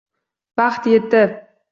Vaqt yetib